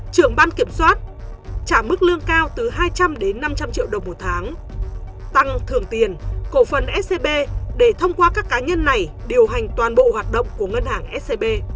trả mức lương cao từ hai trăm linh đến năm trăm linh triệu đồng một tháng tăng thường tiền cổ phần scb để thông qua các cá nhân này điều hành toàn bộ hoạt động của ngân hàng scb